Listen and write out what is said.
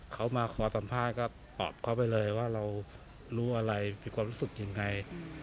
เขามาคอยสัมภาษณ์ก็ตอบเขาไปเลยว่าเรารู้อะไรมีความรู้สึกยังไง